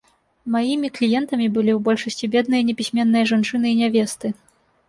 Маімі кліентамі былі ў большасці бедныя непісьменныя жанчыны і нявесты.